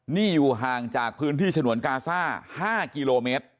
นี่อยู่ห่างจากพื้นที่ฉนวนกาซ่า๕กิโลเมตร